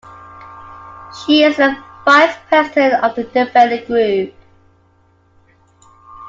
She is a Vice-President of the Debating Group.